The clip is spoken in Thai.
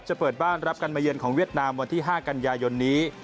เปิดบ้านรับกันมาเยือนของเวียดนามวันที่๕กันยายนนี้